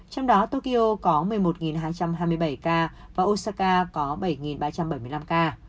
trong đó tokyo có một mươi một hai trăm hai mươi bảy ca và osaka có bảy ba trăm bảy mươi năm ca